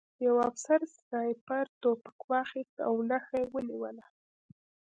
یوه افسر سنایپر توپک واخیست او نښه یې ونیوله